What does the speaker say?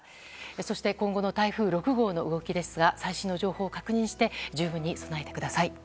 そして、今後の台風６号の動きですが最新の情報を確認して十分に備えてください。